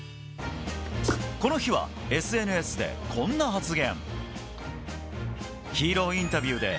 この日はＳＮＳで、こんな発言。